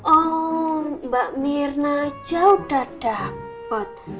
oh mbak mirna jauh udah dapat